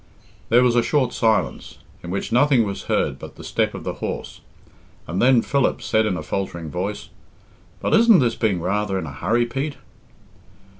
There was a short silence, in which nothing was heard but the step of the horse, and then Philip said in a faltering voice, "But isn't this being rather in a hurry, Pete?"